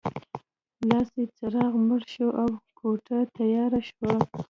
لاسي څراغ مړ شو او کوټه تیاره شوه